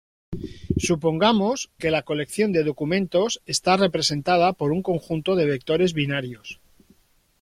Supongamos que la colección de documentos está representada por un conjunto de vectores binarios.